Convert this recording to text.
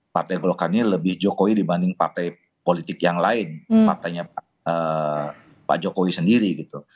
partai golkar ini lebih jokowi dibanding partai politik yang lain partainya pak jokowi sendiri gitu